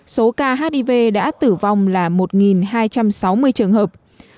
số ca hiv đã tử vong là một hai trăm sáu mươi trường hợp